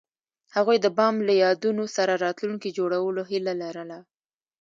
هغوی د بام له یادونو سره راتلونکی جوړولو هیله لرله.